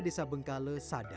ketut kanta ketut kanta